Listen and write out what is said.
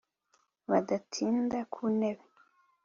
Badatinda ku ntebe.